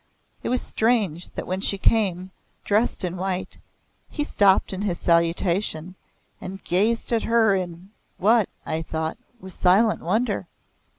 It was strange that when she came, dressed in white, he stopped in his salutation, and gazed at her in what, I thought, was silent wonder.